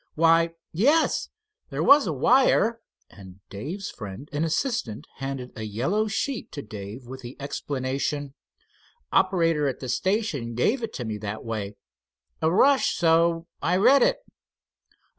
"Why, yes, there was a wire," and Dave's friend and assistant handed a yellow sheet to Dave with the explanation: "Operator at the station gave it to me that way. A rush, so I read it."